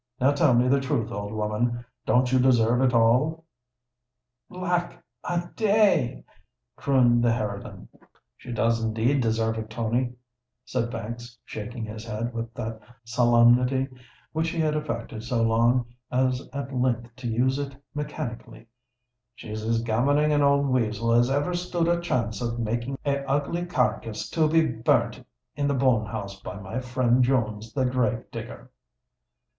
Now, tell me the truth, old woman—don't you deserve it all?" "Lack a day!" crooned the harridan. "She does indeed deserve it, Tony," said Banks, shaking his head with that solemnity which he had affected so long as at length to use it mechanically: "she's as gammoning an old wessel as ever stood a chance of making a ugly carkiss to be burnt in the bone house by my friend Jones the grave digger."